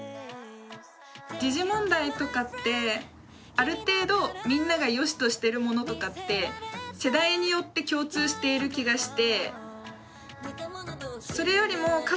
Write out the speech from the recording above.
時事問題とかってある程度みんながよしとしてるものとかって世代によって共通している気がして。